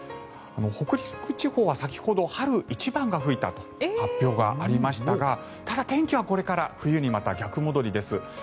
北陸地方は先ほど、春一番が吹いたと発表がありましたがただ、天気はこれから冬にまた逆戻りです。